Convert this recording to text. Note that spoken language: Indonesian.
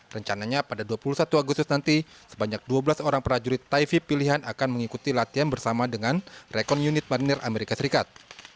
rencananya pada dua puluh satu agustus nanti sebanyak dua belas orang prajurit taifi pilihan akan mengikuti latihan bersama dengan rekon unit marinir amerika serikat